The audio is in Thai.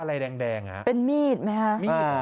อะไรแดงเป็นมีดไหมฮะ